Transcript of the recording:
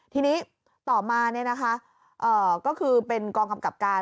ทีนี้ต่อมาเนี่ยนะคะเอ่อก็คือเป็นกองกำกับการ